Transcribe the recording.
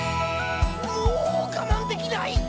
もうがまんできない！